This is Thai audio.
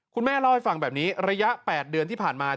คุณแม่เล่าให้ฟังแบบนี้ระยะ๘เดือนที่ผ่านมา